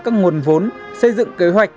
các nguồn vốn xây dựng kế hoạch